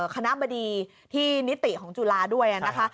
คณะบดีที่นิติของจุฬาด้วยนะคะ